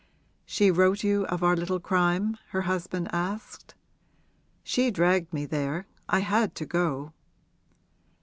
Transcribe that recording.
'She wrote you of our little crime?' her husband asked. 'She dragged me there I had to go.'